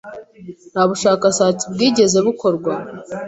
ntabushakashatsi bwigeze bukorwa